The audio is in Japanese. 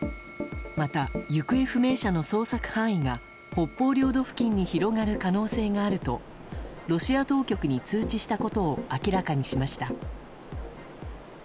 また、行方不明者の捜索範囲が北方領土付近に広がる可能性があるとロシア当局に通知したことを明らかにしました。